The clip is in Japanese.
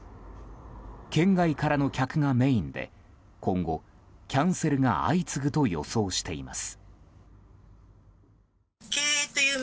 県外からの客がメインで今後、キャンセルが相次ぐと予想しています。